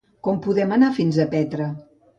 Com podem anar fins a Petra?